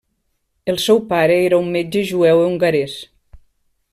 El seu pare era un metge jueu hongarès.